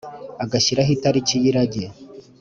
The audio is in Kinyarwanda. agashyiraho itariki y’irage.